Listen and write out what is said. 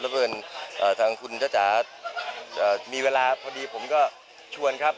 แล้วเพลินทางคุณจ๊ะจ๊ะจะมีเวลาพอดีผมก็ชวนครับ